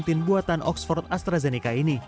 vaksin covid sembilan belas buatan oxford astrazeneca ini